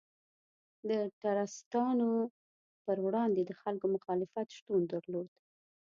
د ټرستانو پر وړاندې د خلکو مخالفت شتون درلود.